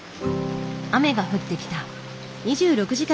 雨が降ってきた。